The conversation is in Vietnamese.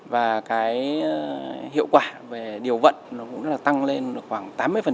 và hiệu quả về điều vận cũng đã tăng lên khoảng tám mươi